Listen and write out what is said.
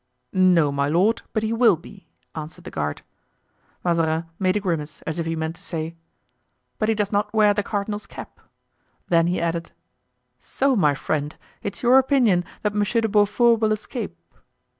"No, my lord, but he will be," answered the guard. Mazarin made a grimace, as if he meant to say, "But he does not wear the cardinal's cap;" then he added: "So, my friend, it's your opinion that Monsieur de Beaufort will escape?"